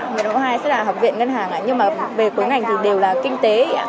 nguyện độ hai sẽ là học viện ngân hàng nhưng mà về cuối ngành thì đều là kinh tế